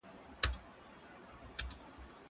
زه مخکي ږغ اورېدلی و!!